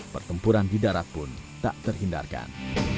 pertempuran di darat pun tak terhindarkan